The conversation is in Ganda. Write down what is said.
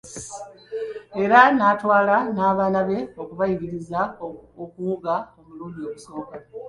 Era n'atwala n'abaana be okubayigiriza okuwuga omulundi ogusooka.